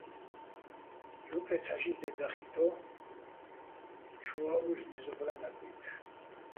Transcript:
ჲუყე ცჰ̦ა-ში დე დახითო́, ჩუაჸ ვუჲლ'ო̆ მეზობლა́ ნაკვი́თ.